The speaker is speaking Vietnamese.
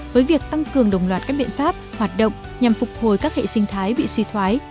với việc tăng cường đồng loạt các biện pháp hoạt động nhằm phục hồi các hệ sinh thái bị suy thoái